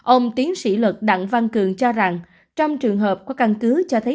ông tiến sĩ luật đặng văn cường cho rằng trong trường hợp có căn cứ cho thấy